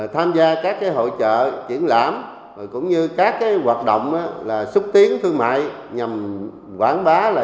tham gia các hội trợ triển lãm cũng như các hoạt động xúc tiến thương mại nhằm quảng bá